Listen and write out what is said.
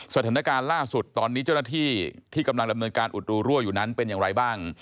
สถานการณ์ล่าสุดตอนนี้เจ้าหน้าที่ที่กำลังดำเนินการอุดรูรั่วอยู่นั้นเป็นอย่างไรบ้าง